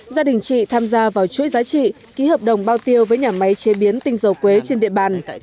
gia đình chị tham gia vào chuỗi giá trị ký hợp đồng bao tiêu với nhà máy chế biến tinh dầu quế trên địa bàn